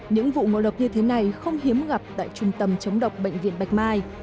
những vụ ngộ độc như thế này không hiếm gặp tại trung tâm chống độc bệnh viện bạch mai